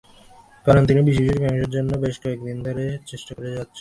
কারণ তিনি বিষয়টি মীমাংসার জন্য বেশ কয়েক দিন ধরে চেষ্টা করে যাচ্ছিলেন।